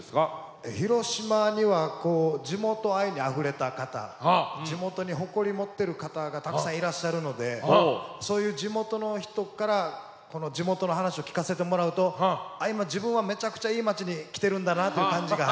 広島には地元愛にあふれた方地元に誇り持ってる方がたくさんいらっしゃるのでそういう地元の人から地元の話を聞かせてもらうとあ今自分はめちゃくちゃいい街に来てるんだなという感じが。